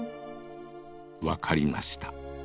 分かりました。